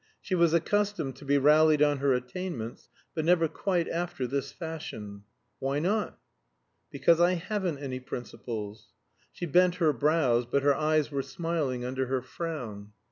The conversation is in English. She was accustomed to be rallied on her attainments, but never quite after this fashion. "Why not?" "Because I haven't any principles." She bent her brows; but her eyes were smiling under her frown.